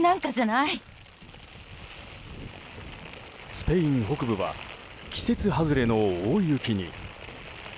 スペイン北部は季節外れの大雪に。